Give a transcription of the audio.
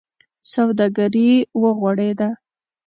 سوداګري و غوړېده.